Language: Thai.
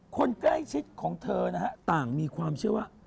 คนใกล้ชิดของเธอนะฮะต่างมีความเชื่อว่า